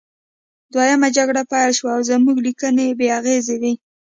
دویمه جګړه پیل شوه او زموږ لیکنې بې اغیزې وې